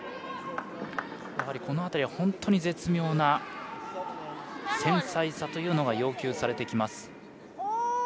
この辺りは本当に絶妙な繊細さというのが要求されてきます。